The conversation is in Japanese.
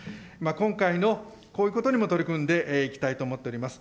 今回のこういうことにも取り組んでいきたいと思っております。